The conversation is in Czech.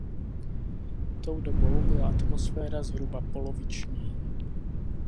Tou dobou byla atmosféra zhruba poloviční.